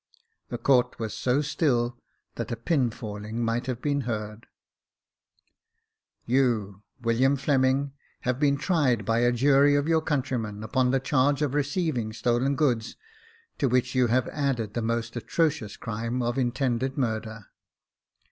The court was so still, that a pin falling might have been heard :" You, William Fleming, have been tried by a jury of your countrymen, upon the charge of receiving stolen goods, to which you have added the most atrocious crime of intended murder.